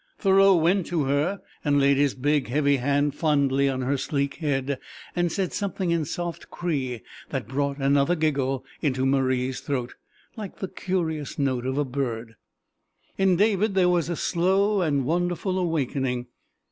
Thoreau went to her and laid his big, heavy hand fondly on her sleek head, and said something in soft Cree that brought another giggle into Marie's throat, like the curious note of a bird. In David there was a slow and wonderful awakening.